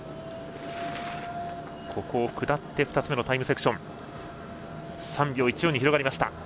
２つ目のタイムセクションは３秒１４に広がりました。